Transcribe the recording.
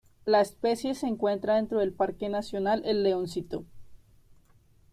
La especie se encuentra dentro del Parque Nacional El Leoncito.